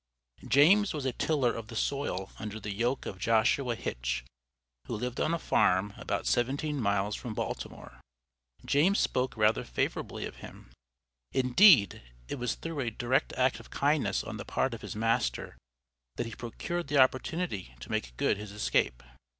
James was a tiller of the soil under the yoke of Joshua Hitch, who lived on a farm about seventeen miles from Baltimore. James spoke rather favorably of him; indeed, it was through a direct act of kindness on the part of his master that he procured the opportunity to make good his escape.